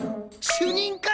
主任から！？